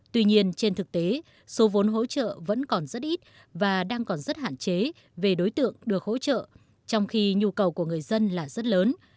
tuy nhiên trên thực tế số vốn hỗ trợ vẫn còn rất ít và đang còn rất hạn chế về đối tượng được hỗ trợ trong khi nhu cầu của người dân là rất lớn